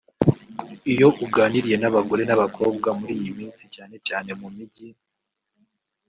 Iyo uganiriye n’abagore n’abakobwa muri iyi minsi cyane cyane mu mijyi